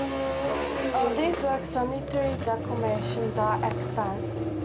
Of these works only three declamations are extant.